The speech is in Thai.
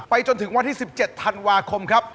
จนถึงวันที่๑๗ธันวาคมครับ